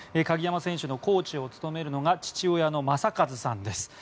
鍵山選手のコーチを務めるのが父親の正和さんです。